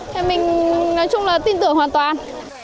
thế mình nói chung là tin tưởng hoàn toàn